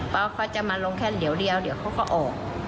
เพราะเขาจะมาลงแค่เดี๋ยวเดียวเดี๋ยวเขาก็ออก